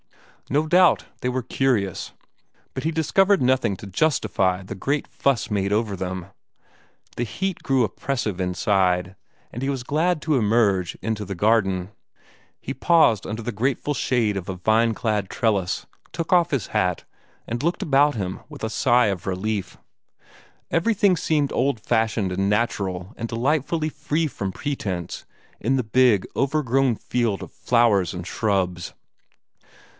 No doubt they were curious; but he discovered nothing to justify the great fuss made about them. The heat grew oppressive inside, and he was glad to emerge into the garden. He paused under the grateful shade of a vine clad trellis, took off his hat, and looked about him with a sigh of relief. Everything seemed old fashioned and natural and delightfully free from pretence in the big, overgrown field of flowers and shrubs.